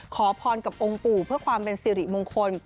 ขอพรกับองค์ปู่เพื่อความเป็นสิริมงคล